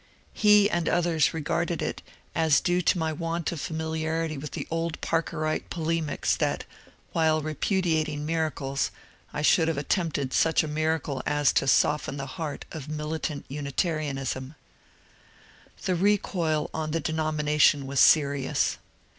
" He and others regarded it as due to my want of familiarity with the old Parkerite polemics that, while repudiating miracles, I should have attempted such a miracle as to soften the heart of militant Unitarianism. The recoil on the denomination was serious.